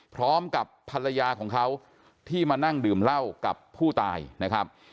พร้อมกับภรรยาของเขาที่มานั่งดื่มเหล้ากับผู้ตายนะครับ